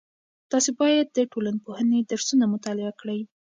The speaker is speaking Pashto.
تاسې باید د ټولنپوهنې درسونه مطالعه کړئ.